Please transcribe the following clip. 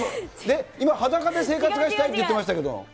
今、裸で生活したいって言ってましたけど。